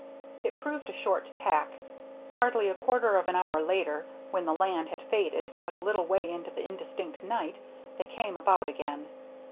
It proved a short tack. Hardly a quarter of an hour later, when the land had faded but a little way into the indistinct night, they came about again.